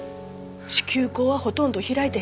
子宮口はほとんど開いてへんかった。